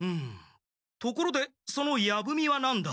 ところでその矢文は何だ？